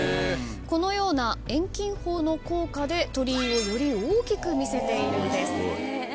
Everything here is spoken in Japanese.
このような遠近法の効果で鳥居をより大きく見せているんです。